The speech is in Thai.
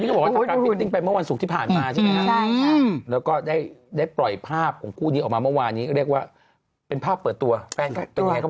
ครับผมคุณที่ไปเมื่อวันศุกร์ที่ผ่านมาแล้วก็ได้ได้ปล่อยภาพของกูนี้ออกมาเมื่อวานนี้ก็เรียกว่าเป็นภาพเปิดตัวไปบอกว่า